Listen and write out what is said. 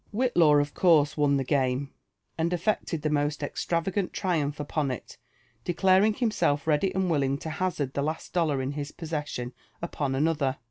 Whitlaw of course won the game, and aflecled tlie most extrava gant triumph upon U, declaring himself ready and willing to haiard the last dollar in his possession upon another.